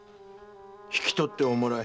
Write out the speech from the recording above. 引き取っておもらい。